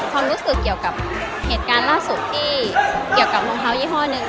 ความรู้สึกเกี่ยวกับเหตุการณ์ล่าสุดที่เกี่ยวกับรองเท้ายี่ห้อหนึ่ง